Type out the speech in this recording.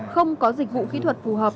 không có dịch vụ kỹ thuật phù hợp